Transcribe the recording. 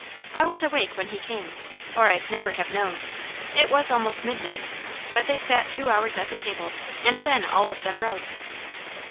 I was awake when he came, or I'd never have known. It was almost midnight; but they sat two hours at the table, and then all of them rode."